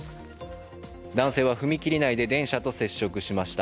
男性は踏切内で電車と接触しました。